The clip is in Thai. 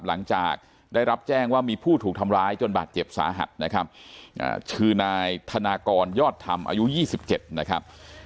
หลังจากได้รับแจ้งว่ามีผู้ถูกทำร้ายจนบาดเจ็บสาหัสนะครับชื่อนายธนากรยอดธรรมอายุ๒๗นะครับ